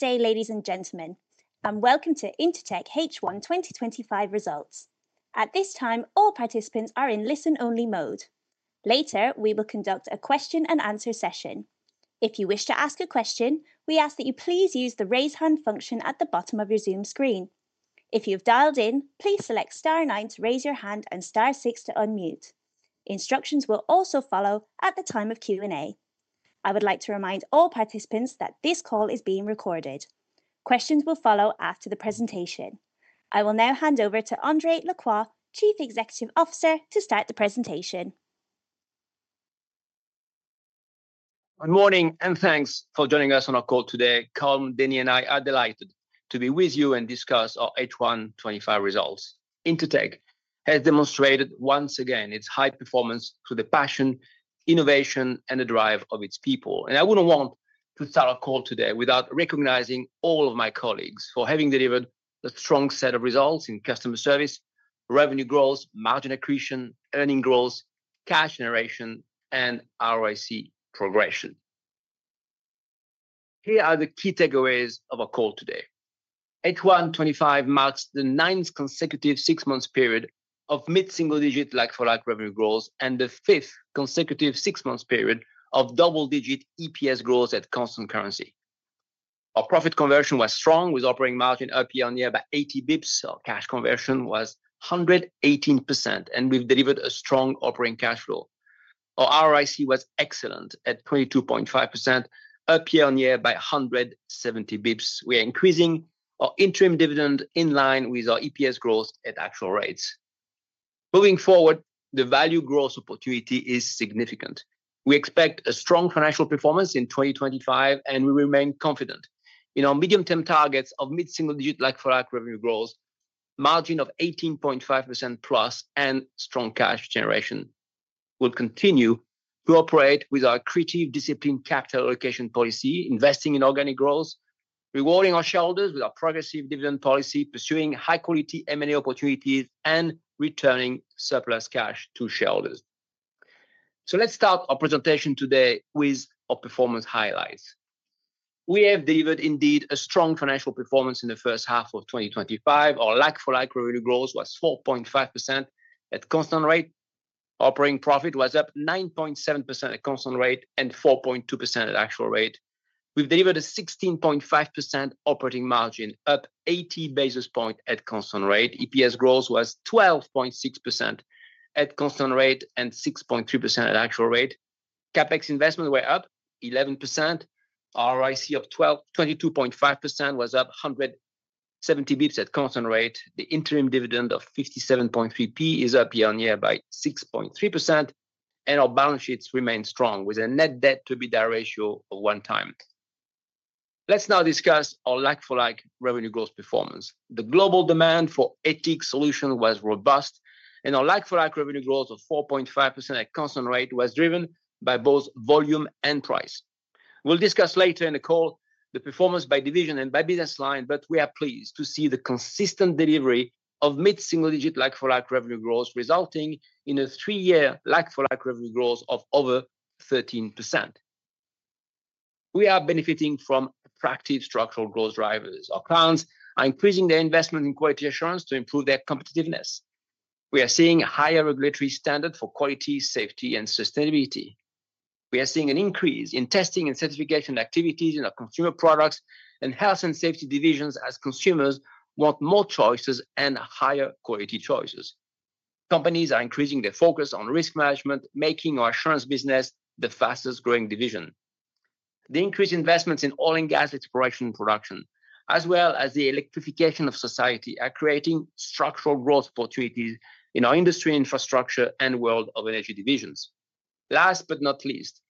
Good day, ladies and gentlemen, and welcome to Intertek H1 2025 results. At this time, all participants are in listen-only mode. Later, we will conduct a question-and-answer session. If you wish to ask a question, we ask that you please use the raise hand function at the bottom of your Zoom screen. If you have dialed in, please select *9 to raise your hand and *6 to unmute. Instructions will also follow at the time of Q&A. I would like to remind all participants that this call is being recorded. Questions will follow after the presentation. I will now hand over to André Lacroix, Chief Executive Officer, to start the presentation. Good morning and thanks for joining us on our call today. Colm, Denis, and I are delighted to be with you and discuss our H1 2025 results. Intertek has demonstrated once again its high performance through the passion, innovation, and the drive of its people. I wouldn't want to start our call today without recognizing all of my colleagues for having delivered a strong set of results in customer service, revenue growth, margin accretion, earning growth, cash generation, and ROIC progression. Here are the key takeaways of our call today. H1 2025 marks the ninth consecutive six-month period of mid-single-digit like-for-like revenue growth and the fifth consecutive six-month period of double-digit EPS growth at constant currency. Our profit conversion was strong with operating margin up by 80 bps. Our cash conversion was 118%, and we've delivered a strong operating cash flow. Our ROIC was excellent at 22.5%, up by 170 bps. We are increasing our interim dividend in line with our EPS growth at actual rates. Moving forward, the value growth opportunity is significant. We expect a strong financial performance in 2025, and we remain confident in our medium-term targets of mid-single-digit like-for-like revenue growth, margin of 18.5% plus, and strong cash generation. We will continue to operate with our creative discipline capital allocation policy, investing in organic growth, rewarding our shareholders with our progressive dividend policy, pursuing high-quality M&A opportunities, and returning surplus cash to shareholders. Let's start our presentation today with our performance highlights. We have delivered indeed a strong financial performance in the first half of 2025. Our like-for-like revenue growth was 4.5% at constant currency. Operating profit was up 9.7% at constant currency and 4.2% at actual rate. We've delivered a 16.5% operating margin, up 80 bps at constant currency. EPS growth was 12.6% at constant currency and 6.3% at actual rate. CapEx investment was up 11%. ROIC of 22.5% was up 170 bps at constant currency. The interim dividend of £0.573 is up year on year by 6.3%, and our balance sheet remains strong with a net debt-to-EBITDA ratio of one time. Let's now discuss our like-for-like revenue growth performance. The global demand for Intertek Solutions was robust, and our like-for-like revenue growth of 4.5% at constant currency was driven by both volume and price. We'll discuss later in the call the performance by division and by business line, but we are pleased to see the consistent delivery of mid-single-digit like-for-like revenue growth, resulting in a three-year like-for-like revenue growth of over 13%. We are benefiting from attractive structural growth drivers. Our clients are increasing their investment in quality assurance to improve their competitiveness. We are seeing a higher regulatory standard for quality, safety, and sustainability. We are seeing an increase in testing and certification activities in our Consumer Products and Health and Safety divisions as consumers want more choices and higher quality choices. Companies are increasing their focus on risk management, making our Assurance business the fastest growing division. The increased investments in oil and gas exploration and production, as well as the electrification of society, are creating structural growth opportunities in our Industry and Infrastructure and World of Energy divisions. Last but not least,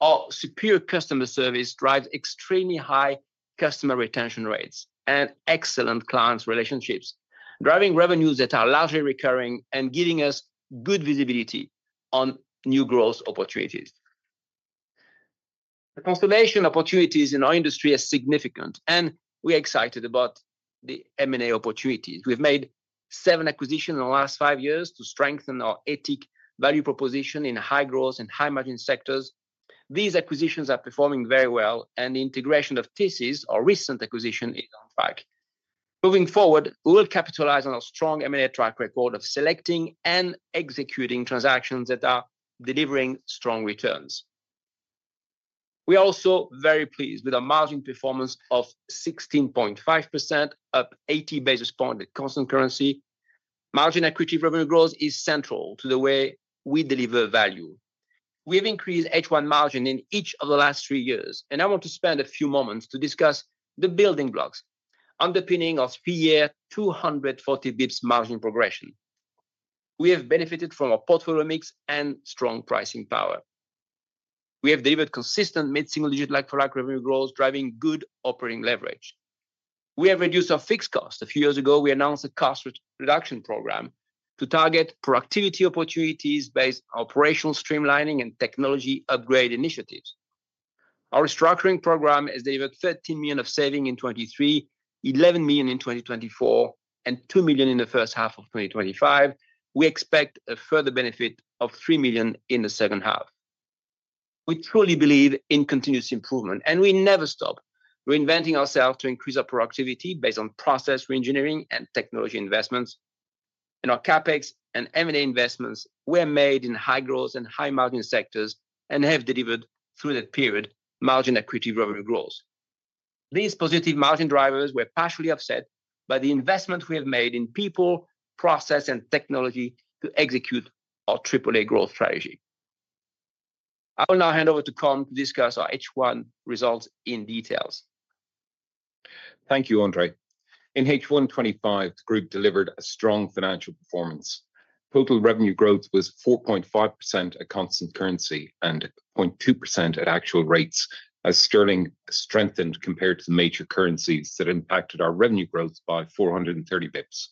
our superior customer service drives extremely high customer retention rates and excellent client relationships, driving revenues that are largely recurring and giving us good visibility on new growth opportunities. The consolidation opportunities in our industry are significant, and we are excited about the M&A opportunities. We've made seven acquisitions in the last five years to strengthen our Etique value proposition in high growth and high margin sectors. These acquisitions are performing very well, and the integration of Thesys, our recent acquisition, is on track. Moving forward, we'll capitalize on our strong M&A track record of selecting and executing transactions that are delivering strong returns. We are also very pleased with our margin performance of 16.5%, up 80 bps at constant currency. Margin accretive revenue growth is central to the way we deliver value. We have increased H1 margin in each of the last three years, and I want to spend a few moments to discuss the building blocks underpinning our three-year 240 bps margin progression. We have benefited from our portfolio mix and strong pricing power. We have delivered consistent mid-single-digit like-for-like revenue growth, driving good operating leverage. We have reduced our fixed costs. A few years ago, we announced a cost reduction program to target productivity opportunities based on operational streamlining and technology upgrade initiatives. Our restructuring program has delivered £13 million of savings in 2023, £11 million in 2024, and £2 million in the first half of 2025. We expect a further benefit of £3 million in the second half. We truly believe in continuous improvement, and we never stop reinventing ourselves to increase our productivity based on process reengineering and technology investments. Our CapEx and M&A investments were made in high growth and high margin sectors and have delivered through that period margin accretive revenue growth. These positive margin drivers were partially offset by the investment we have made in people, process, and technology to execute our Triple-A growth strategy. I will now hand over to Colm to discuss our H1 results in detail. Thank you, André. In H1 2025, the group delivered a strong financial performance. Total revenue growth was 4.5% at constant currency and 0.2% at actual rates, as sterling strengthened compared to the major currencies that impacted our revenue growth by 430 bps.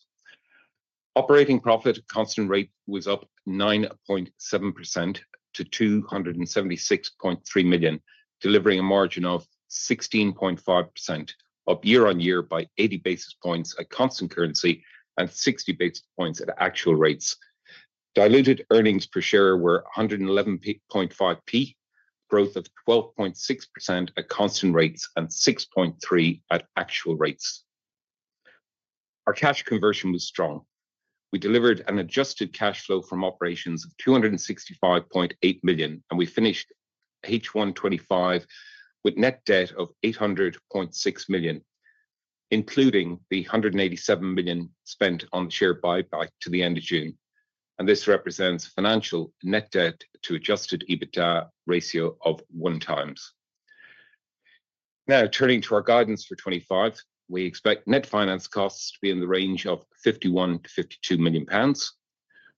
Operating profit at constant rate was up 9.7% to £276.3 million, delivering a margin of 16.5%, up year on year by 80 bps at constant currency and 60 bps at actual rates. Diluted earnings per share were £1.115, growth of 12.6% at constant rates and 6.3% at actual rates. Our cash conversion was strong. We delivered an adjusted cash flow from operations of £265.8 million, and we finished H1 2025 with a net debt of £800.6 million, including the £187 million spent on the share buyback to the end of June. This represents a financial net debt-to-adjusted EBITDA ratio of 1 times. Now, turning to our guidance for 2025, we expect net finance costs to be in the range of £51 to £52 million.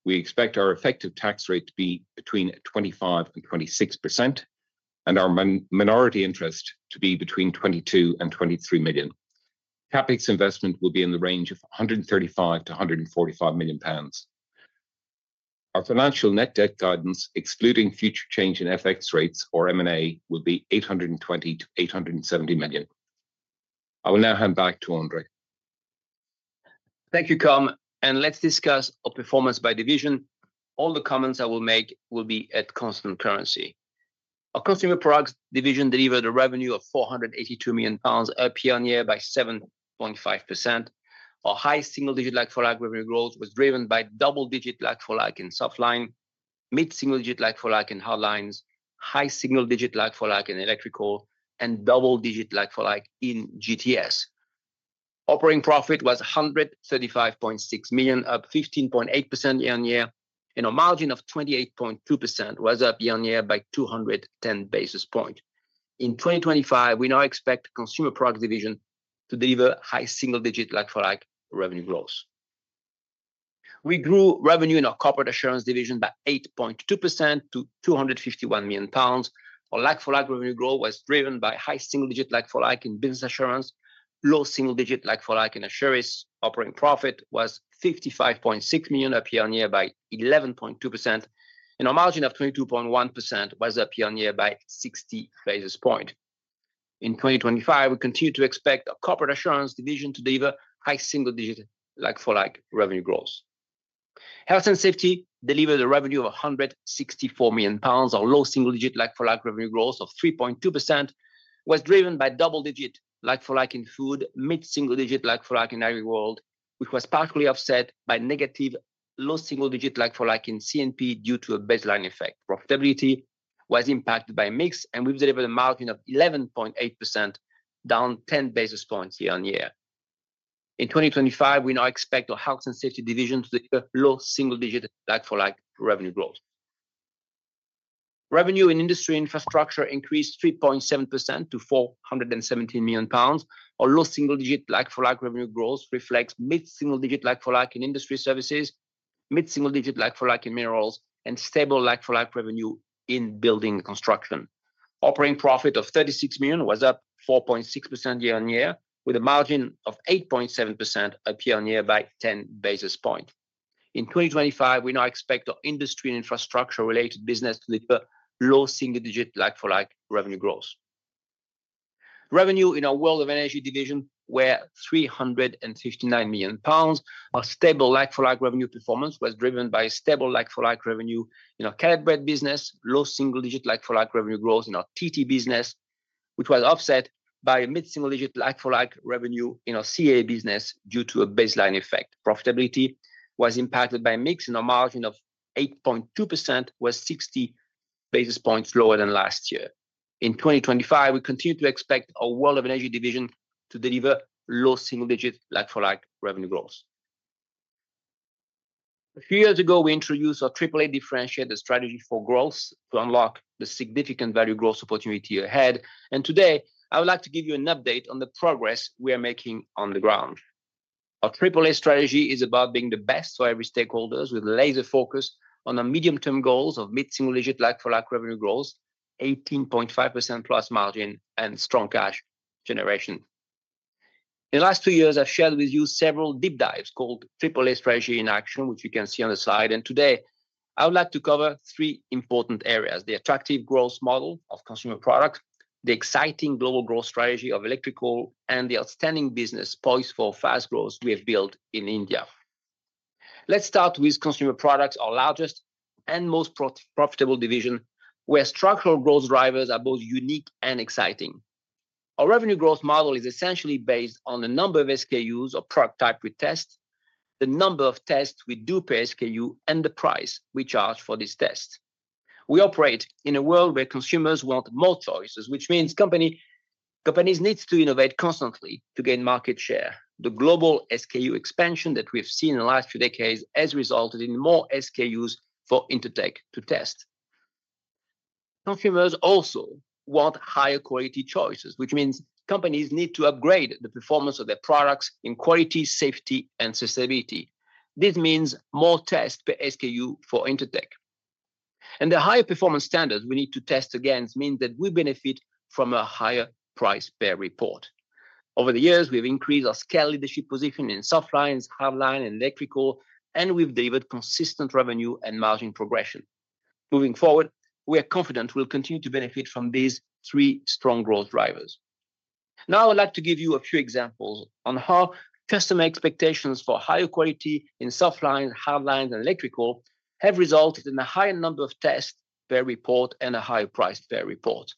We expect our effective tax rate to be between 25% and 26%, and our minority interest to be between £22 and £23 million. CapEx investment will be in the range of £135 to £145 million. Our financial net debt guidance, excluding future change in FX rates or M&A, will be £820 to £870 million. I will now hand back to André. Thank you, Colm. Let's discuss our performance by division. All the comments I will make will be at constant currency. Our Consumer Products division delivered a revenue of £482 million, up 7.5%. Our high single-digit like-for-like revenue growth was driven by double-digit like-for-like in Softlines, mid-single-digit like-for-like in Hardlines, high single-digit like-for-like in Electrical, and double-digit like-for-like in GTS. Operating profit was £135.6 million, up 15.8% year on year, and our margin of 28.2% was up year on year by 210 bps. In 2025, we now expect the Consumer Products division to deliver high single-digit like-for-like revenue growth. We grew revenue in our Corporate Assurance division by 8.2% to £251 million. Our like-for-like revenue growth was driven by high single-digit like-for-like in Business Assurance, low single-digit like-for-like in Assurance. Operating profit was £55.6 million, up 11.2%, and our margin of 22.1% was up year on year by 60 bps. In 2025, we continue to expect our Corporate Assurance division to deliver high single-digit like-for-like revenue growth. Health and Safety delivered a revenue of £164 million. Our low single-digit like-for-like revenue growth of 3.2% was driven by double-digit like-for-like in Food, mid-single-digit like-for-like in Agri-world, which was partially offset by negative low single-digit like-for-like in CNP due to a baseline effect. Profitability was impacted by mix, and we've delivered a margin of 11.8%, down 10 bps year on year. In 2025, we now expect our Health and Safety division to deliver low single-digit like-for-like revenue growth. Revenue in Industry and Infrastructure increased 3.7% to £417 million. Our low single-digit like-for-like revenue growth reflects mid-single-digit like-for-like in Industry Services, mid-single-digit like-for-like in Minerals, and stable like-for-like revenue in Building Construction. Operating profit of £36 million was up 4.6% year on year, with a margin of 8.7%, up 10 bps. In 2025, we now expect our Industry and Infrastructure-related business to deliver low single-digit like-for-like revenue growth. Revenue in our World of Energy division were £359 million. Our stable like-for-like revenue performance was driven by stable like-for-like revenue in our Calibrate business, low single-digit like-for-like revenue growth in our TT business, which was offset by a mid-single-digit like-for-like revenue in our CA business due to a baseline effect. Profitability was impacted by a mix, and our margin of 8.2% was 60 bps lower than last year. In 2025, we continue to expect our World of Energy division to deliver low single-digit like-for-like revenue growth. A few years ago, we introduced our Triple-A differentiated strategy for growth to unlock the significant value growth opportunity ahead. Today, I would like to give you an update on the progress we are making on the ground. Our Triple-A strategy is about being the best for every stakeholder with laser focus on our medium-term goals of mid-single-digit like-for-like revenue growth, 18.5%+ margin, and strong cash generation. In the last two years, I've shared with you several deep dives called Triple-A strategy in action, which you can see on the slide. Today, I would like to cover three important areas: the attractive growth model of Consumer Products, the exciting global growth strategy of Electrical, and the outstanding business poise for fast growth we have built in India. Let's start with Consumer Products, our largest and most profitable division, where structural growth drivers are both unique and exciting. Our revenue growth model is essentially based on the number of SKUs or product type we test, the number of tests we do per SKU, and the price we charge for these tests. We operate in a world where consumers want more choices, which means companies need to innovate constantly to gain market share. The global SKU expansion that we've seen in the last few decades has resulted in more SKUs for Intertek to test. Consumers also want higher quality choices, which means companies need to upgrade the performance of their products in quality, safety, and sustainability. This means more tests per SKU for Intertek. The higher performance standards we need to test against mean that we benefit from a higher price per report. Over the years, we've increased our scale leadership position in Softlines, Hardlines, and Electrical, and we've delivered consistent revenue and margin progression. Moving forward, we are confident we'll continue to benefit from these three strong growth drivers. Now, I would like to give you a few examples on how customer expectations for higher quality in Softlines, Hardlines, and Electrical have resulted in a higher number of tests per report and a higher price per report.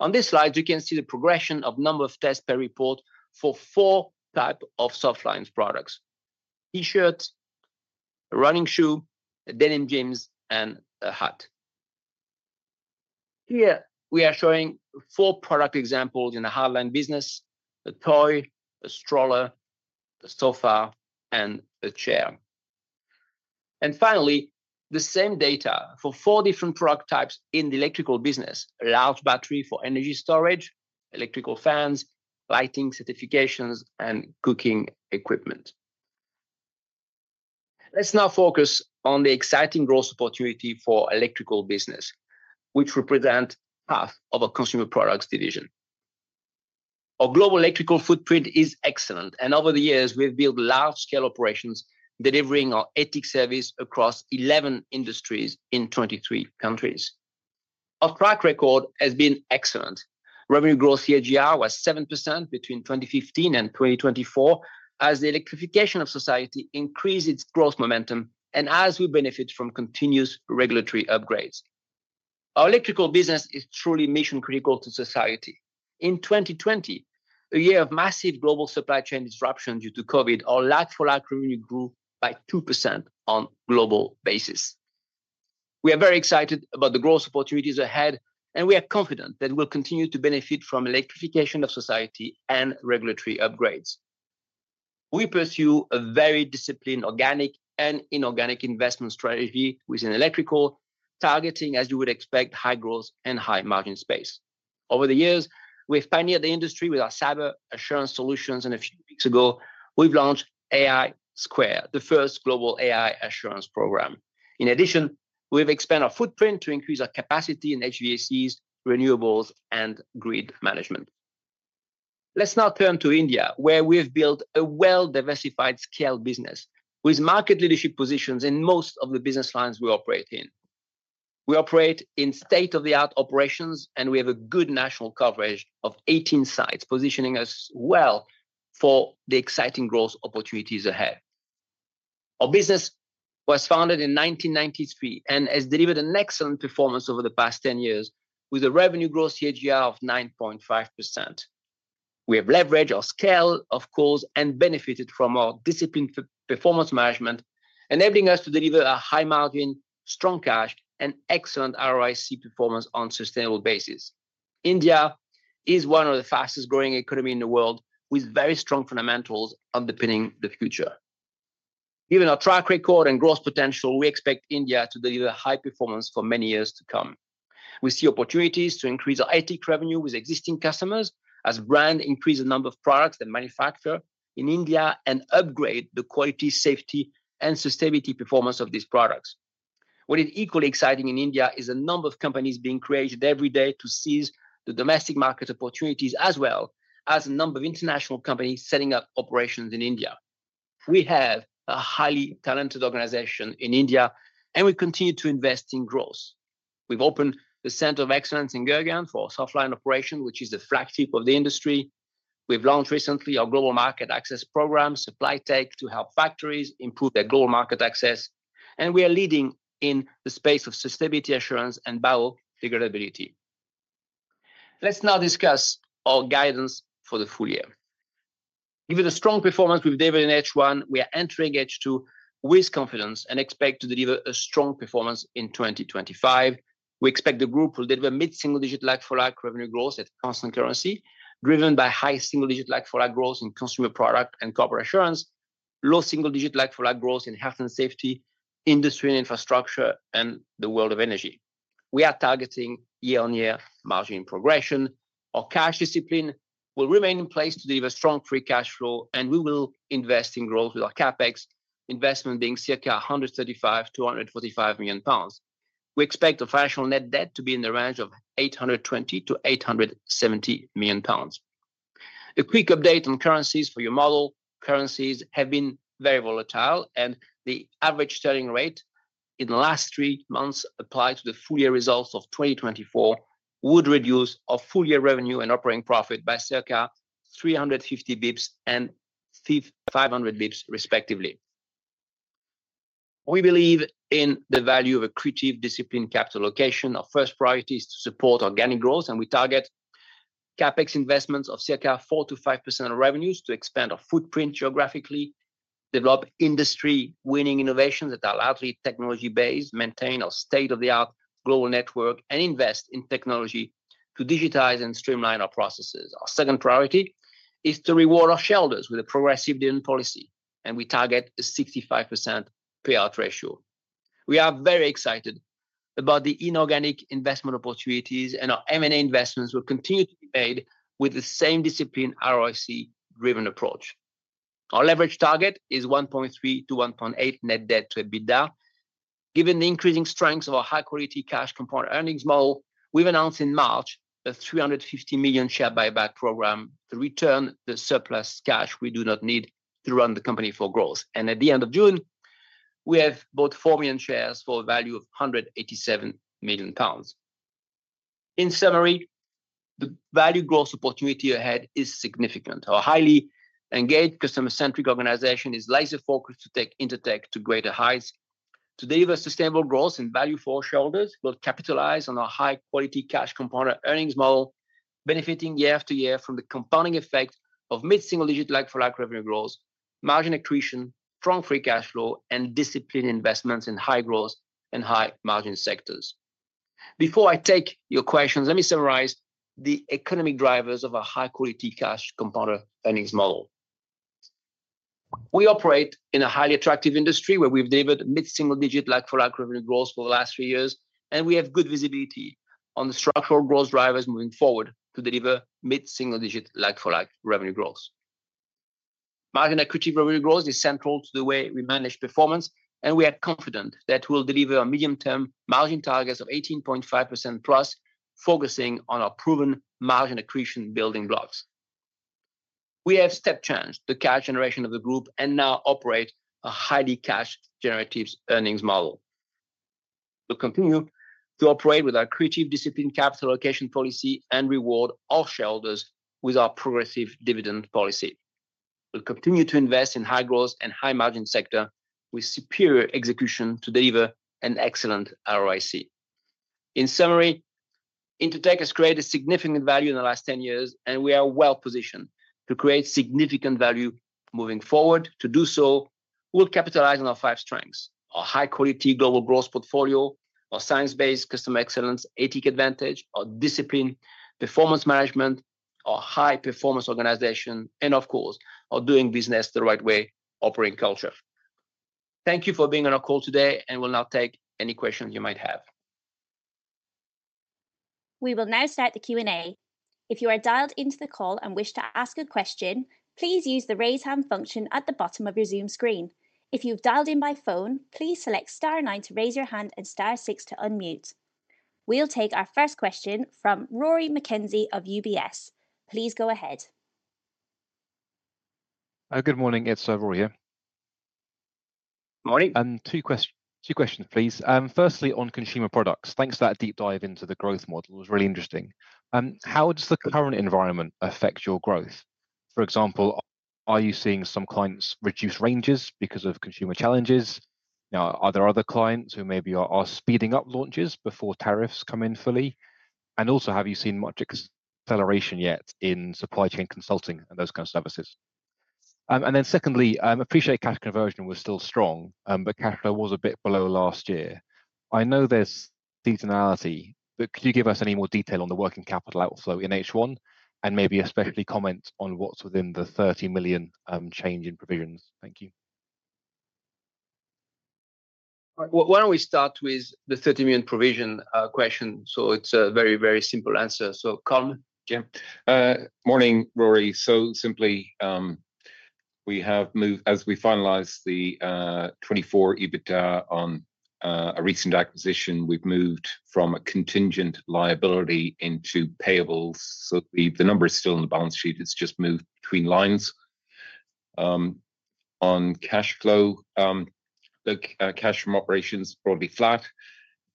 On these slides, you can see the progression of the number of tests per report for four types of Softlines products: T-shirts, a running shoe, denim jeans, and a hat. Here, we are showing four product examples in the Hardlines business: a toy, a stroller, a sofa, and a chair. Finally, the same data for four different product types in the Electrical business: a large battery for energy storage, Electrical fans, lighting certifications, and cooking equipment. Let's now focus on the exciting growth opportunity for the Electrical business, which represents half of our Consumer Products division. Our global Electrical footprint is excellent, and over the years, we've built large-scale operations, delivering our Etique service across 11 industries in 23 countries. Our track record has been excellent. Revenue growth CAGR was 7% between 2015 and 2024, as the electrification of society increased its growth momentum and as we benefit from continuous regulatory upgrades. Our Electrical business is truly mission-critical to society. In 2020, a year of massive global supply chain disruption due to COVID, our like-for-like revenue grew by 2% on a global basis. We are very excited about the growth opportunities ahead, and we are confident that we'll continue to benefit from the electrification of society and regulatory upgrades. We pursue a very disciplined organic and inorganic investment strategy within Electrical, targeting, as you would expect, high growth and high margin space. Over the years, we've pioneered the industry with our cyber assurance solutions, and a few weeks ago, we've launched AI Square, the first global AI assurance program. In addition, we've expanded our footprint to increase our capacity in HVACs, renewables, and grid management. Let's now turn to India, where we've built a well-diversified scale business with market leadership positions in most of the business lines we operate in. We operate in state-of-the-art operations, and we have a good national coverage of 18 sites, positioning us well for the exciting growth opportunities ahead. Our business was founded in 1993 and has delivered an excellent performance over the past 10 years, with a revenue growth CAGR of 9.5%. We have leveraged our scale, of course, and benefited from our disciplined performance management, enabling us to deliver a high margin, strong cash, and excellent ROIC performance on a sustainable basis. India is one of the fastest-growing economies in the world, with very strong fundamentals underpinning the future. Given our track record and growth potential, we expect India to deliver high performance for many years to come. We see opportunities to increase our Etique revenue with existing customers as brands increase the number of products they manufacture in India and upgrade the quality, safety, and sustainability performance of these products. What is equally exciting in India is the number of companies being created every day to seize the domestic market opportunities, as well as the number of international companies setting up operations in India. We have a highly talented organization in India, and we continue to invest in growth. We've opened the Center of Excellence in Gurgaon for our Softlines operations, which is the flagship of the industry. We've launched recently our global market access program, SupplyTech, to help factories improve their global market access, and we are leading in the space of sustainability assurance and bio-degradability. Let's now discuss our guidance for the full year. Given the strong performance we've delivered in H1, we are entering H2 with confidence and expect to deliver a strong performance in 2025. We expect the group will deliver mid-single-digit like-for-like revenue growth at constant currency, driven by high single-digit like-for-like growth in Consumer Products and Corporate Assurance, low single-digit like-for-like growth in Health and Safety, Industry and Infrastructure, and the World of Energy. We are targeting year-on-year margin progression. Our cash discipline will remain in place to deliver strong free cash flow, and we will invest in growth with our CapEx investment being circa £135 to £145 million. We expect our financial net debt to be in the range of £820 to £870 million. A quick update on currencies for your model. Currencies have been very volatile, and the average selling rate in the last three months applied to the full-year results of 2024 would reduce our full-year revenue and operating profit by circa 350 bps and 500 bps, respectively. We believe in the value of accretive discipline capital allocation. Our first priority is to support organic growth, and we target CapEx investments of circa 4% to 5% of revenues to expand our footprint geographically, develop industry-winning innovations that are largely technology-based, maintain our state-of-the-art global network, and invest in technology to digitize and streamline our processes. Our second priority is to reward our shareholders with a progressive dividend policy, and we target a 65% payout ratio. We are very excited about the inorganic investment opportunities, and our M&A investments will continue to be made with the same discipline, ROIC-driven approach. Our leverage target is 1.3x to 1.8x net debt-to-EBITDA. Given the increasing strength of our high-quality cash component earnings model, we announced in March a £350 million share buyback program to return the surplus cash we do not need to run the company for growth. At the end of June, we have bought 4 million shares for a value of £187 million. In summary, the value growth opportunity ahead is significant. Our highly engaged, customer-centric organization is laser-focused to take Intertek to greater heights to deliver sustainable growth and value for our shareholders, both capitalized on our high-quality cash component earnings model, benefiting year after year from the compounding effect of mid-single-digit like-for-like revenue growth, margin accretion, strong free cash flow, and disciplined investments in high growth and high margin sectors. Before I take your questions, let me summarize the economic drivers of our high-quality cash component earnings model. We operate in a highly attractive industry where we've delivered mid-single-digit like-for-like revenue growth for the last three years, and we have good visibility on the structural growth drivers moving forward to deliver mid-single-digit like-for-like revenue growth. Margin accretive revenue growth is central to the way we manage performance, and we are confident that we'll deliver our medium-term margin targets of 18.5% plus, focusing on our proven margin accretion building blocks. We have step-changed the cash generation of the group and now operate a highly cash-generative earnings model. We'll continue to operate with our accretive discipline capital allocation policy and reward our shareholders with our progressive dividend policy. We'll continue to invest in high growth and high margin sectors with superior execution to deliver an excellent ROIC. In summary, Intertek has created significant value in the last 10 years, and we are well positioned to create significant value moving forward. To do so, we'll capitalize on our five strengths: our high-quality global growth portfolio, our science-based customer excellence, Etique Advantage, our disciplined performance management, our high-performance organization, and of course, our doing business the right way operating culture. Thank you for being on our call today, and we'll now take any questions you might have. We will now start the Q&A. If you are dialed into the call and wish to ask a question, please use the raise hand function at the bottom of your Zoom screen. If you've dialed in by phone, please select *9 to raise your hand and *6 to unmute. We'll take our first question from Rory McKenzie of UBS. Please go ahead. Good morning. It's Rory here. Morning. Two questions, please. Firstly, on Consumer Products. Thanks for that deep dive into the growth model. It was really interesting. How does the current environment affect your growth? For example, are you seeing some clients reduce ranges because of consumer challenges? Are there other clients who maybe are speeding up launches before tariffs come in fully? Also, have you seen much acceleration yet in supply chain consulting and those kinds of services? Secondly, I appreciate cash conversion was still strong, but cash flow was a bit below last year. I know there's seasonality, but could you give us any more detail on the working capital outflow in H1 and maybe especially comment on what's within the $30 million change in provisions? Thank you. Why don't we start with the $30 million provision question? It's a very, very simple answer. Colm McDonagh. Morning, Rory. We have moved, as we finalized the 2024 EBITDA on a recent acquisition, from a contingent liability into payables. The number is still on the balance sheet; it's just moved between lines. On cash flow, cash from operations is broadly flat.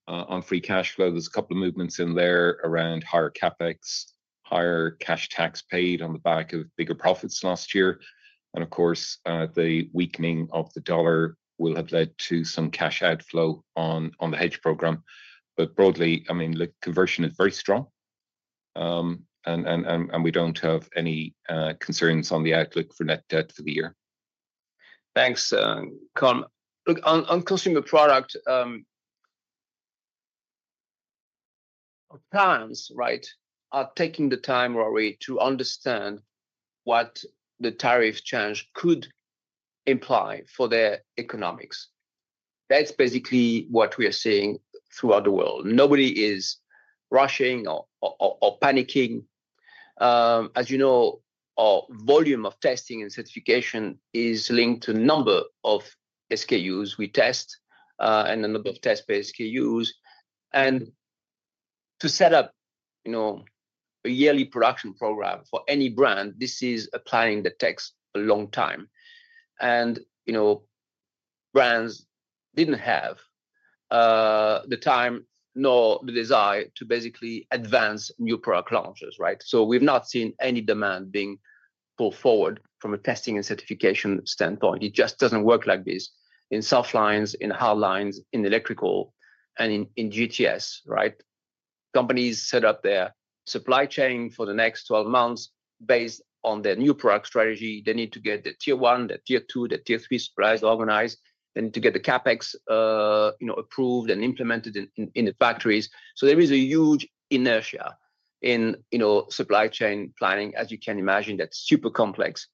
On free cash flow, there's a couple of movements in there around higher CapEx, higher cash tax paid on the back of bigger profits last year. Of course, the weakening of the dollar will have led to some cash outflow on the hedge program. Broadly, conversion is very strong, and we don't have any concerns on the outlook for net debt for the year. Thanks, Colm. Look, on Consumer Products, our clients, right, are taking the time, Rory, to understand what the tariff change could imply for their economics. That's basically what we are seeing throughout the world. Nobody is rushing or panicking. As you know, our volume of testing and certification is linked to a number of SKUs we test and a number of test SKUs. To set up a yearly production program for any brand, this is a planning that takes a long time. Brands didn't have the time nor the desire to basically advance new product launches, right? We've not seen any demand being pulled forward from a testing and certification standpoint. It just doesn't work like this in Softlines, in Hardlines, in Electrical, and in GTS, right? Companies set up their supply chain for the next 12 months based on their new product strategy. They need to get the tier one, the tier two, the tier three supplies organized. They need to get the CapEx approved and implemented in the factories. There is a huge inertia in supply chain planning, as you can imagine. That's super complex.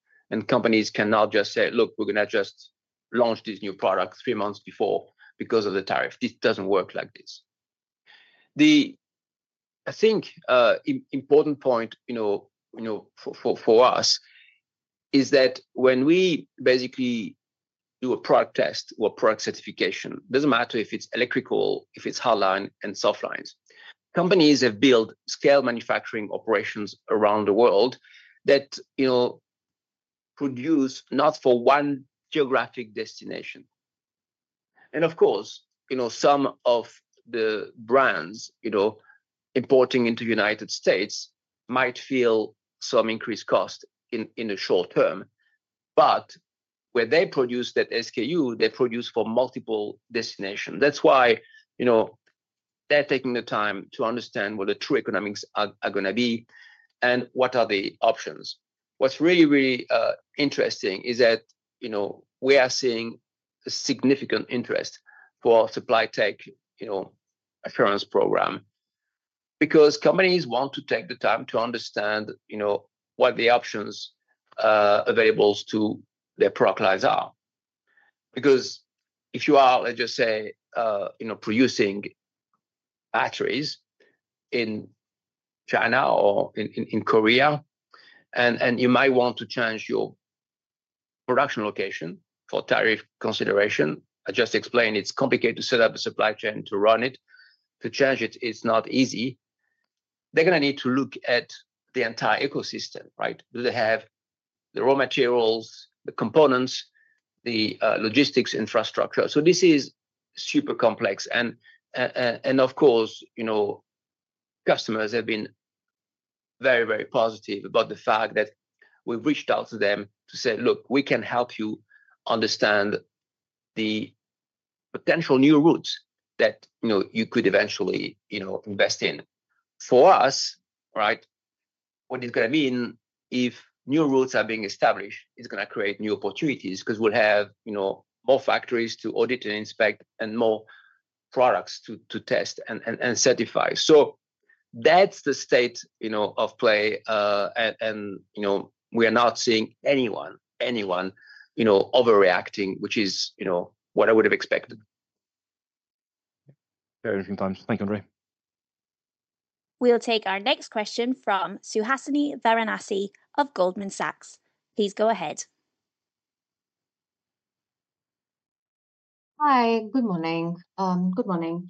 Companies cannot just say, look, we're going to just launch this new product three months before because of the tariff. This doesn't work like this. The, I think, important point for us is that when we basically do a product test or a product certification, it doesn't matter if it's Electrical, if it's Hardlines, and Softlines. Companies have built scale manufacturing operations around the world that produce not for one geographic destination. Of course, some of the brands importing into the United States might feel some increased cost in the short term. Where they produce that SKU, they produce for multiple destinations. That's why they're taking the time to understand what the true economics are going to be and what are the options. What's really, really interesting is that we are seeing a significant interest for our SupplyTech assurance program because companies want to take the time to understand what the options available to their product lines are. If you are, let's just say, producing batteries in China or in Korea, and you might want to change your production location for tariff consideration, I just explained it's complicated to set up the supply chain to run it. To change it, it's not easy. They're going to need to look at the entire ecosystem, right? Do they have the raw materials, the components, the logistics infrastructure? This is super complex. Of course, customers have been very, very positive about the fact that we've reached out to them to say, look, we can help you understand the potential new routes that you could eventually invest in. For us, what it's going to mean if new routes are being established is going to create new opportunities because we'll have more factories to audit and inspect and more products to test and certify. That's the state of play. We are not seeing anyone, anyone, you know, overreacting, which is what I would have expected. Very interesting times. Thank you, André. We'll take our next question from Suhasini Varanasi of Goldman Sachs. Please go ahead. Hi. Good morning. Good morning.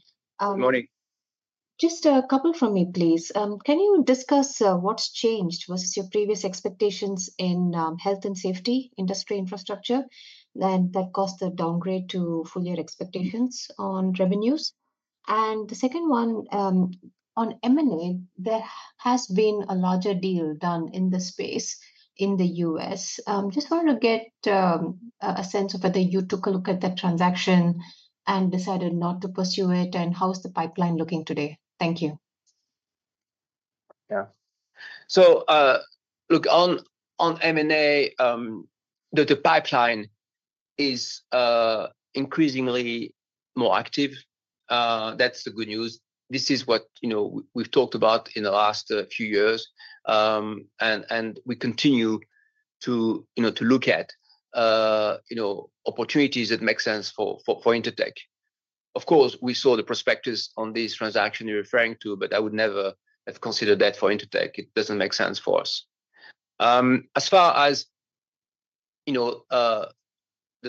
Just a couple from me, please. Can you discuss what's changed versus your previous expectations in Health and Safety, Industry and Infrastructure, that caused the downgrade to full-year expectations on revenues? The second one, on M&A, there has been a larger deal done in the space in the U.S. I just wanted to get a sense of whether you took a look at that transaction and decided not to pursue it, and how is the pipeline looking today? Thank you. On M&A, the pipeline is increasingly more active. That's the good news. This is what we've talked about in the last few years. We continue to look at opportunities that make sense for Intertek. Of course, we saw the prospectus on this transaction you're referring to, but I would never have considered that for Intertek. It doesn't make sense for us. As far as the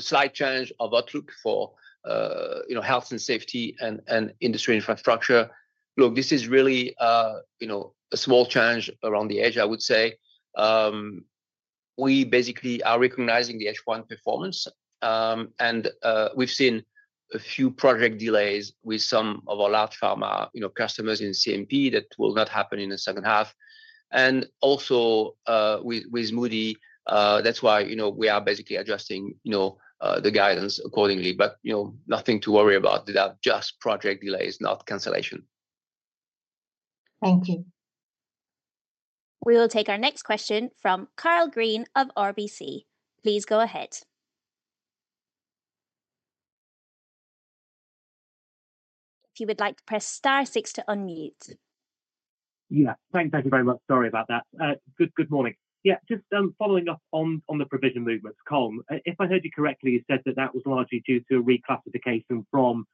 slight change of outlook for Health and Safety and Industry and Infrastructure, this is really a small change around the edge, I would say. We basically are recognizing the H1 performance. We've seen a few project delays with some of our large pharma customers in CMP that will not happen in the second half. Also, with Moody, that's why we are basically adjusting the guidance accordingly. Nothing to worry about. These are just project delays, not cancellation. Thank you. We will take our next question from Karl Green of RBC. Please go ahead. If you would like to press *6 to unmute. Thank you very much. Good morning. Just following up on the provision movements, Colm. If I heard you correctly, you said that that was largely due to a reclassification from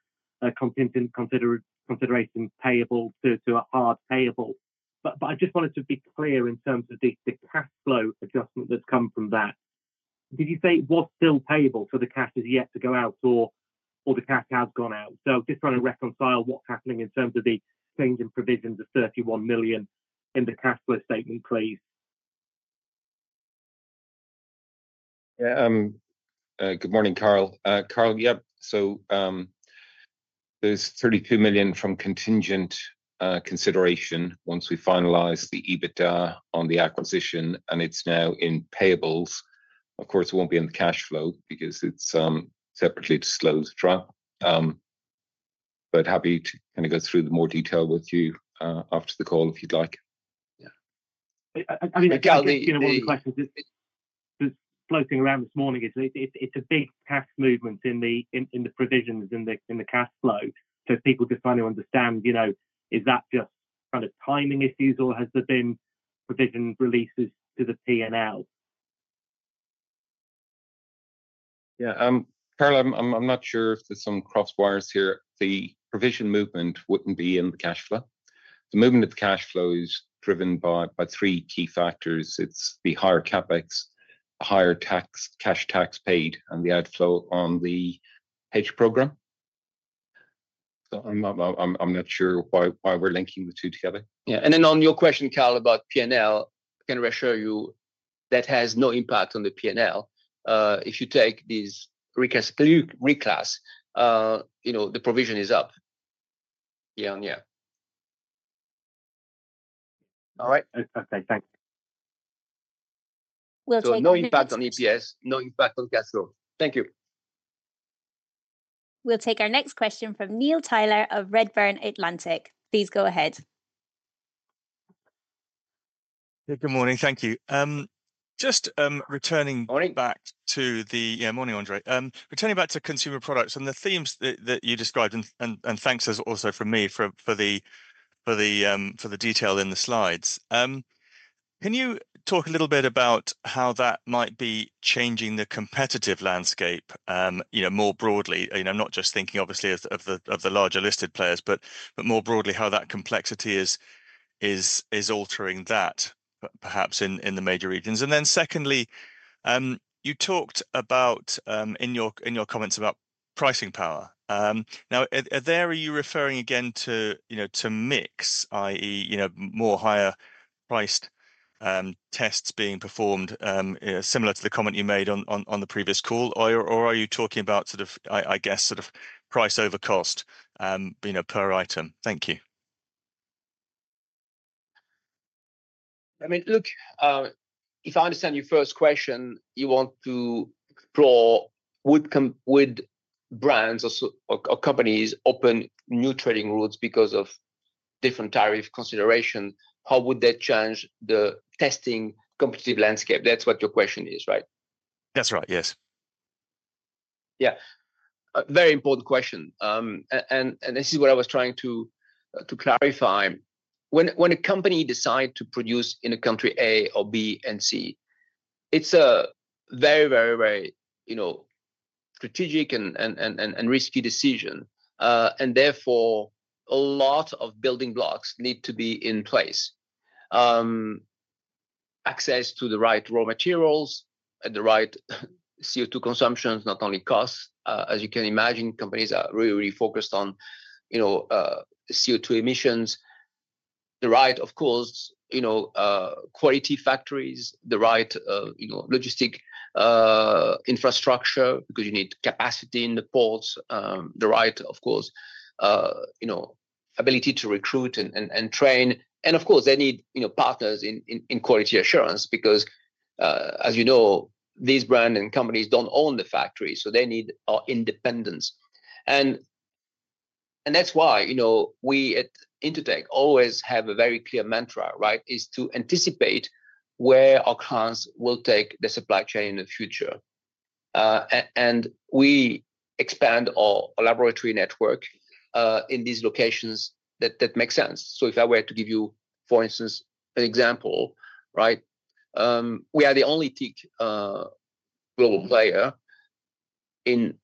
a consideration payable to a hard payable. I just wanted to be clear in terms of the cash flow adjustment that's come from that. Did you say it was still payable, so the cash is yet to go out, or the cash has gone out? I'm just trying to reconcile what's happening in terms of the change in provisions of $31 million in the cash flow statement, please. Good morning, Karl. There's $32 million from contingent consideration once we finalize the EBITDA on the acquisition, and it's now in payables. It won't be in the cash flow because it's separately disclosed as well. Happy to go through more detail with you after the call if you'd like. Yeah, I mean, one of the questions that's floating around this morning is it's a big cash movement in the provisions in the cash flow. If people just want to understand, you know, is that just kind of timing issues, or has there been provision releases to the P&L? Yeah. Karl, I'm not sure if there's some crosswires here. The provision movement wouldn't be in the cash flow. The movement of the cash flow is driven by three key factors: it's the higher CapEx, the higher cash tax paid, and the outflow on the H program. I'm not sure why we're linking the two together. Yeah. On your question, Karl, about P&L, I'm going to assure you that has no impact on the P&L. If you take this reclass, the provision is up year on year. All right. Okay, thanks. is no impact on EPS, no impact on cash flow. Thank you. We'll take our next question from Neil Tyler of Redburn Atlantic. Please go ahead. Good morning. Thank you. Just returning back to the... Morning. Yeah, Morning, André. Returning back to Consumer Products and the themes that you described, and thanks also from me for the detail in the slides. Can you talk a little bit about how that might be changing the competitive landscape more broadly? I'm not just thinking, obviously, of the larger listed players, but more broadly how that complexity is altering that, perhaps, in the major regions. Secondly, you talked about in your comments about pricing power. Now, are you referring again to mix, i.e., more higher-priced tests being performed, similar to the comment you made on the previous call, or are you talking about sort of, I guess, sort of price over cost per item? Thank you. I mean, look, if I understand your first question, you want to explore would brands or companies open new trading routes because of different tariff considerations? How would that change the testing competitive landscape? That's what your question is, right? That's right, yes. Very important question. This is what I was trying to clarify. When a company decides to produce in a country A or B and C, it's a very, very, very strategic and risky decision. Therefore, a lot of building blocks need to be in place: access to the right raw materials, the right CO2 consumptions, not only costs. As you can imagine, companies are really, really focused on CO2 emissions. The right, of course, quality factories, the right logistic infrastructure because you need capacity in the ports, the right, of course, ability to recruit and train. Of course, they need partners in quality assurance because, as you know, these brands and companies don't own the factories. They need our independence. That's why we at Intertek always have a very clear mantra, right, to anticipate where our clients will take the supply chain in the future. We expand our laboratory network in these locations that make sense. If I were to give you, for instance, an example, we are the only TIC global player in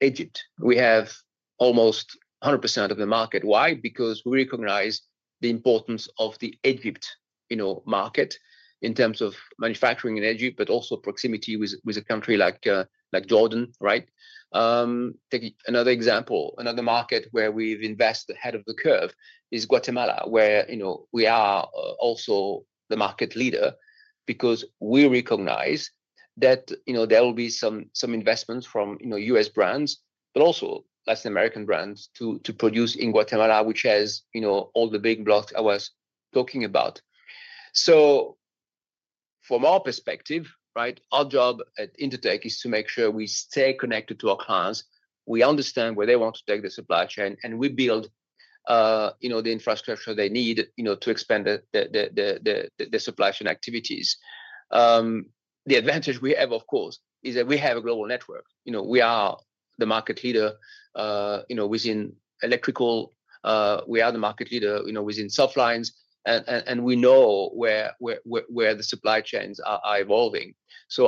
Egypt. We have almost 100% of the market. Why? Because we recognize the importance of the Egypt market in terms of manufacturing in Egypt, but also proximity with a country like Jordan, right? Take another example. Another market where we've invested ahead of the curve is Guatemala, where we are also the market leader because we recognize that there will be some investments from U.S. brands, but also Latin American brands, to produce in Guatemala, which has all the big blocks I was talking about. From our perspective, our job at Intertek is to make sure we stay connected to our clients. We understand where they want to take the supply chain, and we build the infrastructure they need to expand the supply chain activities. The advantage we have, of course, is that we have a global network. We are the market leader within Electrical. We are the market leader within Softlines. We know where the supply chains are evolving.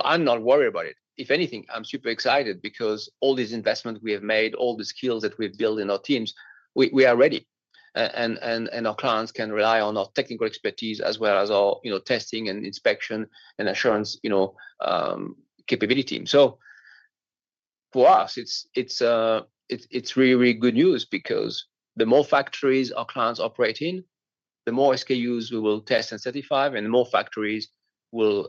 I'm not worried about it. If anything, I'm super excited because all these investments we have made, all the skills that we've built in our teams, we are ready. Our clients can rely on our technical expertise as well as our testing and inspection and assurance capability. For us, it's really, really good news because the more factories our clients operate in, the more SKUs we will test and certify, and the more factories we'll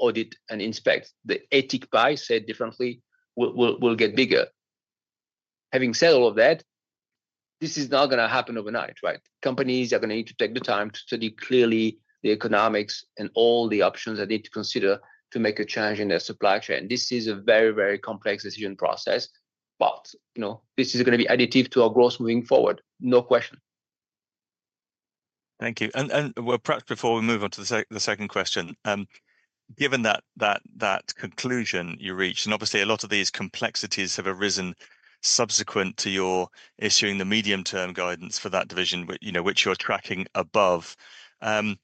audit and inspect. The Etique pie, said differently, will get bigger. Having said all of that, this is not going to happen overnight, right? Companies are going to need to take the time to study clearly the economics and all the options they need to consider to make a change in their supply chain. This is a very, very complex decision process. This is going to be additive to our growth moving forward. No question. Thank you. Perhaps before we move on to the second question, given that conclusion you reached, and obviously, a lot of these complexities have arisen subsequent to your issuing the medium-term guidance for that division, which you're tracking above, can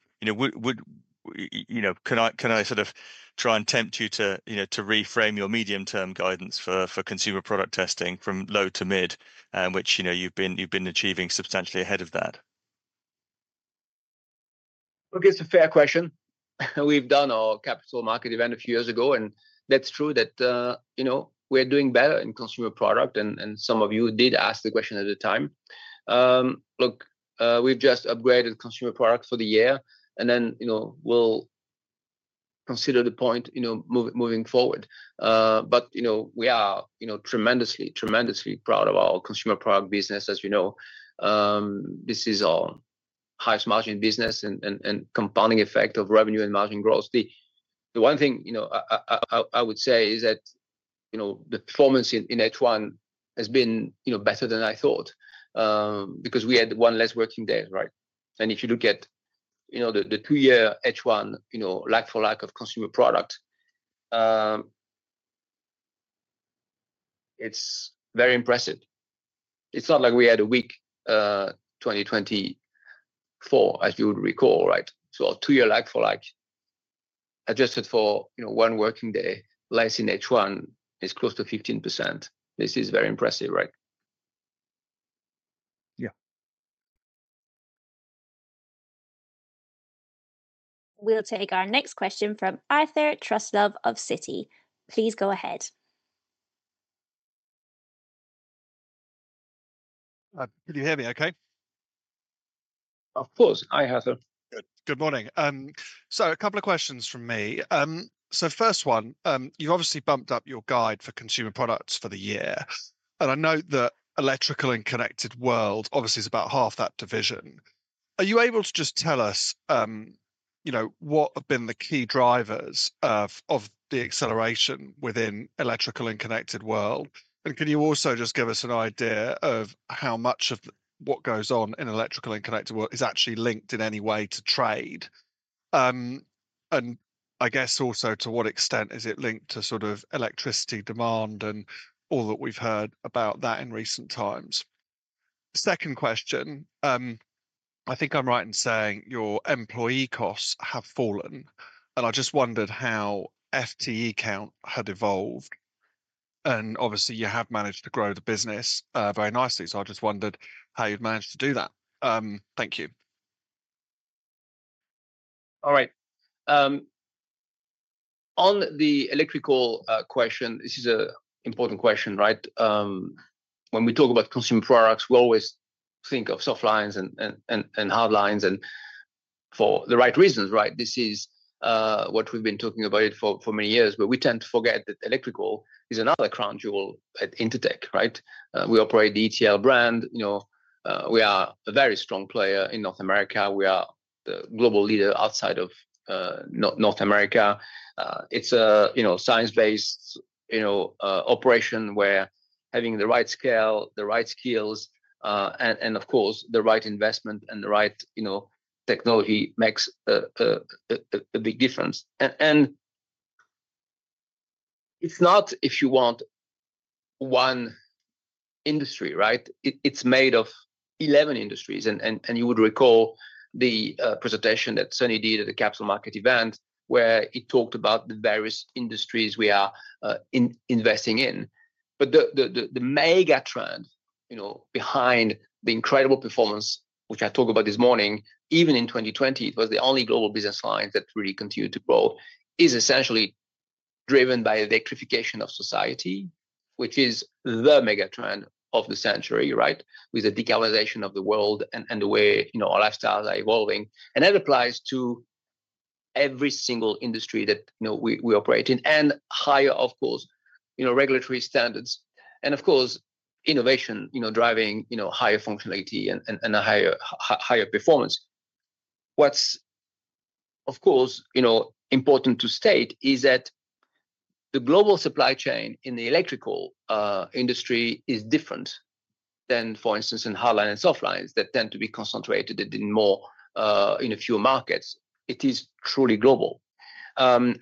I sort of try and tempt you to reframe your medium-term guidance for Consumer Products testing from low to mid, which you've been achieving substantially ahead of that? Look, it's a fair question. We've done our capital market event a few years ago, and that's true that we're doing better in Consumer Products. Some of you did ask the question at the time. We've just upgraded Consumer Products for the year, and then we'll consider the point moving forward. We are tremendously, tremendously proud of our Consumer Products business. As you know, this is our highest margin business and compounding effect of revenue and margin growth. The one thing I would say is that the performance in H1 has been better than I thought because we had one less working day, right? If you look at the two-year H1 like-for-like of Consumer Products, it's very impressive. It's not like we had a weak 2024, as you would recall, right? Our two-year like-for-like adjusted for one working day less in H1 is close to 15%. This is very impressive, right? Yeah. We'll take our next question from Arthur Truslove of Citi. Please go ahead. Can you hear me okay? Of course. Hi, Arthur. Good morning. A couple of questions from me. First one, you obviously bumped up your guide for Consumer Products for the year. I know that Electrical and Connected World is about half that division. Are you able to just tell us what have been the key drivers of the acceleration within Electrical and Connected World? Can you also just give us an idea of how much of what goes on in Electrical and Connected World is actually linked in any way to trade? I guess also to what extent is it linked to electricity demand and all that we've heard about that in recent times? Second question, I think I'm right in saying your employee costs have fallen. I just wondered how FTE count had evolved. Obviously, you have managed to grow the business very nicely. I just wondered how you've managed to do that. Thank you. All right. On the Electrical question, this is an important question, right? When we talk about Consumer Products, we always think of Softlines and Hardlines for the right reasons, right? This is what we've been talking about for many years, but we tend to forget that Electrical is another crown jewel at Intertek, right? We operate the ETL brand. We are a very strong player in North America. We are the global leader outside of North America. It's a science-based operation where having the right scale, the right skills, and of course, the right investment and the right technology makes a big difference. It's not, if you want, one industry, right? It's made of 11 industries. You would recall the presentation that Sonny did at the capital market event where he talked about the various industries we are investing in. The mega trend behind the incredible performance, which I talked about this morning, even in 2020, it was the only global business line that really continued to grow, is essentially driven by the electrification of society, which is the mega trend of the century, right, with the decarbonization of the world and the way our lifestyles are evolving. That applies to every single industry that we operate in, and higher, of course, regulatory standards, and of course, innovation driving higher functionality and a higher performance. What's, of course, important to state is that the global supply chain in the Electrical industry is different than, for instance, in Hardlines and Softlines that tend to be concentrated in fewer markets. It is truly global. We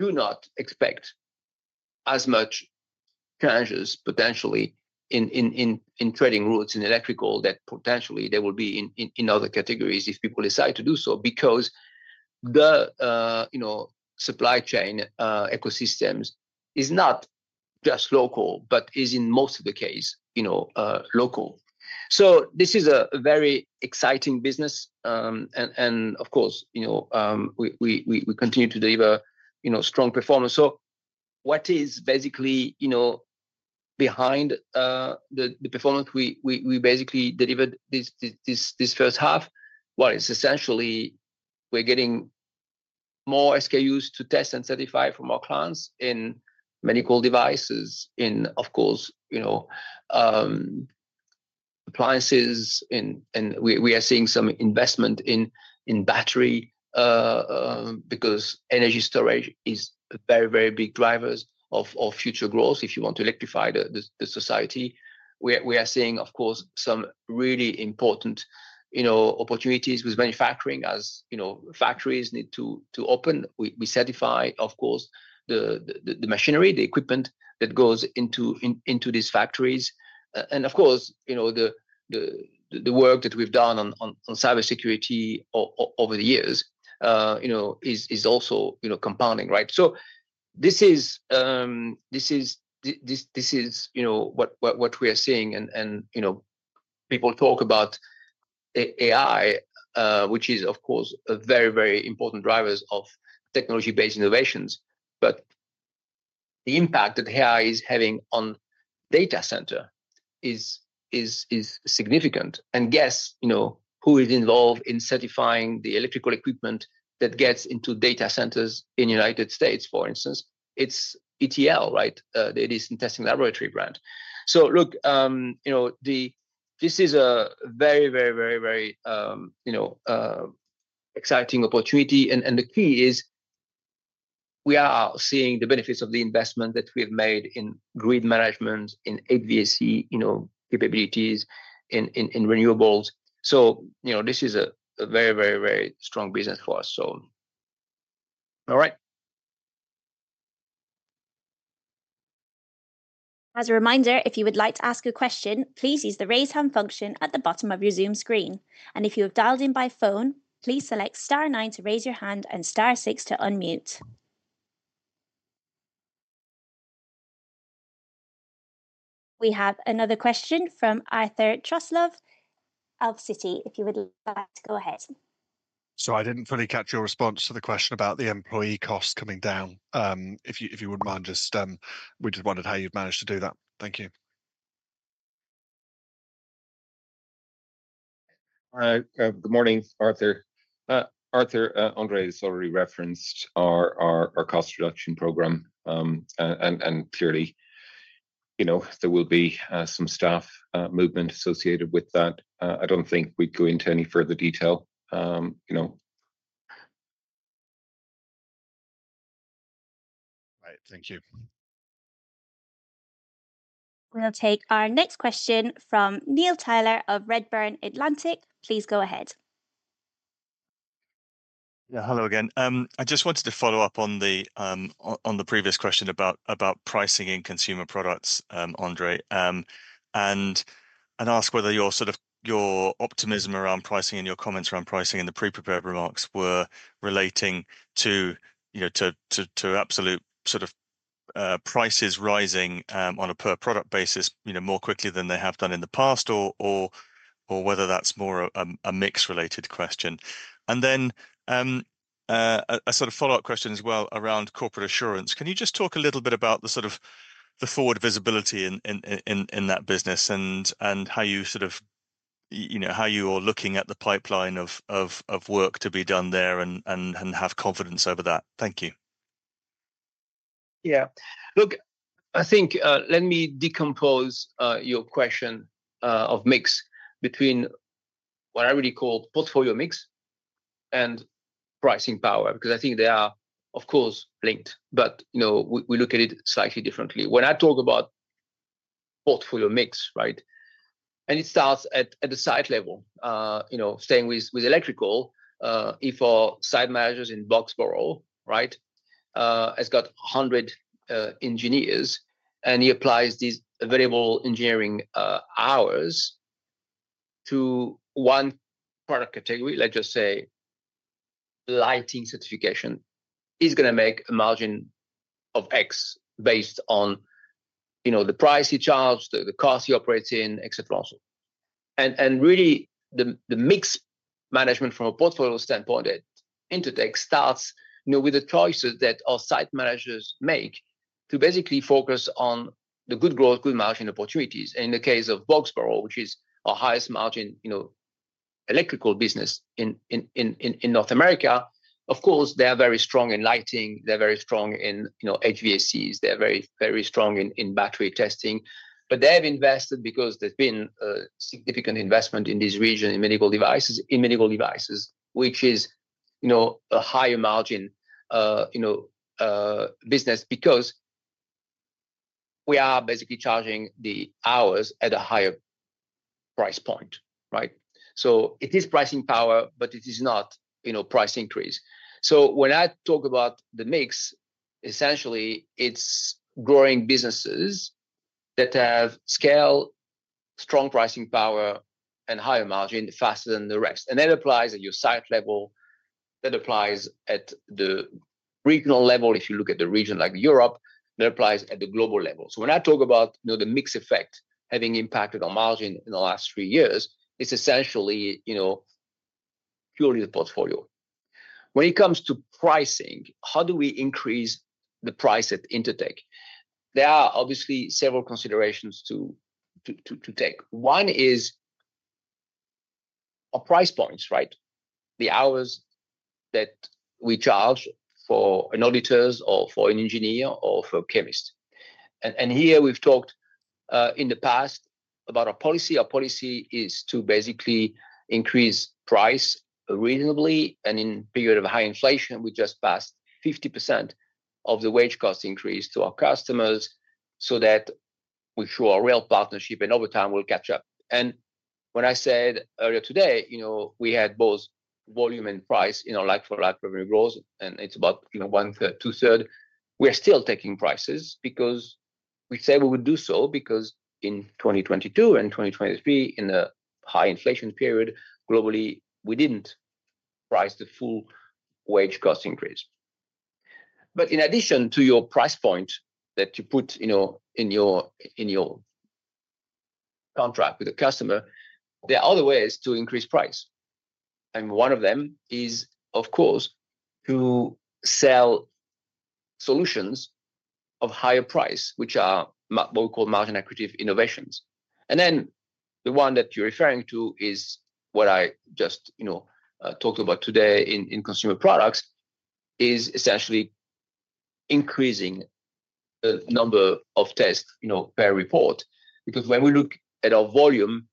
do not expect as much changes potentially in trading routes in Electrical that potentially there will be in other categories if people decide to do so because the supply chain ecosystems are not just local, but are in most of the cases local. This is a very exciting business. We continue to deliver strong performance. What is basically behind the performance we basically delivered this first half? It's essentially we're getting more SKUs to test and certify from our clients in medical devices, in, of course, appliances. We are seeing some investment in battery because energy storage is a very, very big driver of future growth if you want to electrify the society. We are seeing, of course, some really important opportunities with manufacturing as factories need to open. We certify, of course, the machinery, the equipment that goes into these factories. The work that we've done on cybersecurity over the years is also compounding, right? This is what we are seeing. People talk about AI, which is, of course, a very, very important driver of technology-based innovations. The impact that AI is having on the data center is significant. Guess who is involved in certifying the Electrical equipment that gets into data centers in the United States, for instance? It's ETL, right? It is a testing laboratory brand. This is a very, very, very, very exciting opportunity. The key is we are seeing the benefits of the investment that we have made in grid management, in HVAC capabilities, in renewables. This is a very, very, very strong business for us. All right. As a reminder, if you would like to ask a question, please use the raise hand function at the bottom of your Zoom screen. If you have dialed in by phone, please select *9 to raise your hand and *6 to unmute. We have another question from Arthur Truslove of Citi. If you would like to go ahead. I didn't fully catch your response to the question about the employee costs coming down. If you wouldn't mind, we just wondered how you've managed to do that. Thank you. Good morning, Arthur. Arthur, André has already referenced our cost reduction program. There will be some staff movement associated with that. I don't think we'd go into any further detail. All right, thank you. We'll take our next question from Neil Tyler of Redburn Atlantic. Please go ahead. Hello again. I just wanted to follow up on the previous question about pricing in Consumer Products, André, and ask whether your optimism around pricing and your comments around pricing in the pre-prepared remarks were relating to absolute sort of prices rising on a per-product basis more quickly than they have done in the past, or whether that's more a mix-related question. I have a follow-up question as well around Corporate Assurance. Can you just talk a little bit about the sort of forward visibility in that business and how you're looking at the pipeline of work to be done there and have confidence over that? Thank you. Yeah. Look, I think let me decompose your question of mix between what I really call portfolio mix and pricing power because I think they are, of course, linked. We look at it slightly differently. When I talk about portfolio mix, right, and it starts at the site level, staying with Electrical, if our site manager's in Boxborough, right, has got 100 engineers and he applies these available engineering hours to one product category, let's just say lighting certification, is going to make a margin of X based on the price he charged, the cost he operates in, etc. Really, the mix management from a portfolio standpoint at Intertek starts with the choices that our site managers make to basically focus on the good growth, good margin opportunities. In the case of Boxborough, which is our highest margin Electrical business in North America, of course, they're very strong in lighting. They're very strong in HVACs. They're very, very strong in battery testing. They have invested because there's been a significant investment in this region in medical devices, which is a higher margin business because we are basically charging the hours at a higher price point, right? It is pricing power, but it is not a price increase. When I talk about the mix, essentially, it's growing businesses that have scale, strong pricing power, and higher margin faster than the rest. That applies at your site level. That applies at the regional level. If you look at the region like Europe, that applies at the global level. When I talk about the mix effect having impacted our margin in the last three years, it's essentially purely the portfolio. When it comes to pricing, how do we increase the price at Intertek? There are obviously several considerations to take. One is our price points, right? The hours that we charge for an auditor or for an engineer or for a chemist. Here we've talked in the past about our policy. Our policy is to basically increase price reasonably. In a period of high inflation, we just passed 50% of the wage cost increase to our customers so that we show a real partnership and over time we'll catch up. When I said earlier today, you know we had both volume and price in our like-for-like revenue growth, and it's about one-third, two-thirds, we are still taking prices because we say we would do so because in 2022 and 2023, in the high inflation period globally, we didn't price the full wage cost increase. In addition to your price point that you put in your contract with the customer, there are other ways to increase price. One of them is, of course, to sell solutions of higher price, which are what we call margin accretive innovations. The one that you're referring to is what I just talked about today in Consumer Products, which is essentially increasing the number of tests per report. When we look at our volume,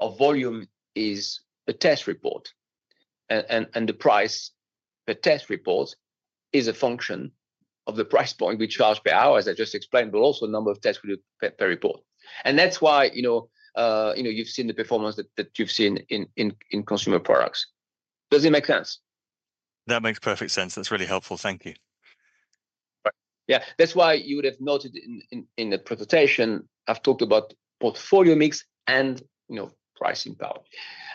our volume is a test report, and the price per test report is a function of the price point we charge per hour, as I just explained, but also the number of tests we do per report. That's why you've seen the performance that you've seen in Consumer Products. Does it make sense? That makes perfect sense. That's really helpful. Thank you. Yeah. That's why you would have noted in the presentation I've talked about portfolio mix and pricing power.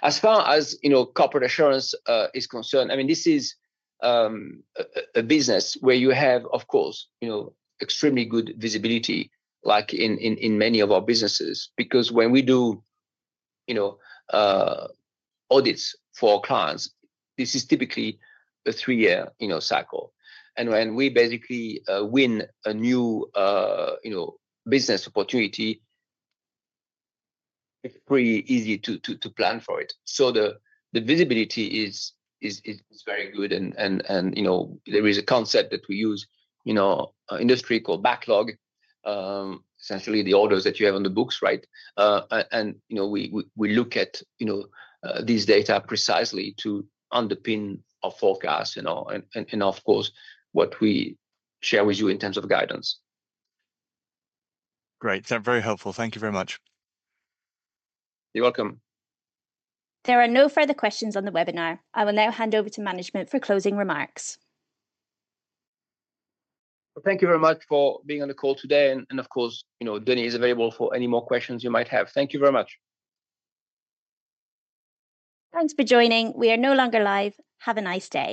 As far as Corporate Assurance is concerned, this is a business where you have, of course, extremely good visibility, like in many of our businesses, because when we do audits for our clients, this is typically a three-year cycle. When we basically win a new business opportunity, it's pretty easy to plan for it. The visibility is very good. There is a concept that we use in our industry called backlog, essentially the orders that you have on the books, right? We look at this data precisely to underpin our forecast and, of course, what we share with you in terms of guidance. Great. That's very helpful. Thank you very much. You're welcome. There are no further questions on the webinar. I will now hand over to management for closing remarks. Thank you very much for being on the call today. Of course, Denis is available for any more questions you might have. Thank you very much. Thanks for joining. We are no longer live. Have a nice day.